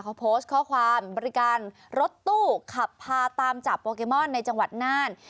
เขาโพสต์ข้อความบริการรถตู้ขับพาตามจับโปเกมอนในจังหวัดน่าน